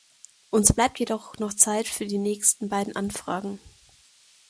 Uns bleibt jedoch noch Zeit für die nächsten beiden Anfragen.